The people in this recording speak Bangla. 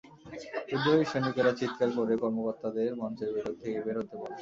বিদ্রোহী সৈনিকেরা চিত্কার করে কর্মকর্তাদের মঞ্চের ভেতর থেকে বের হতে বলে।